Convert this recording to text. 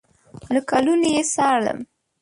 له کلونو یې څارلم